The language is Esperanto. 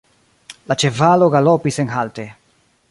La ĉevalo galopis senhalte.